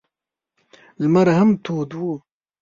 لمر هم تود و.